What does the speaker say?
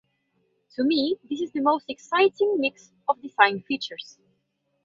To me this is the most exciting mix of design features.